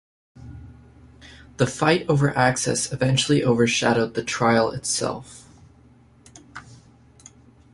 The fight over access eventually overshadowed the trial itself.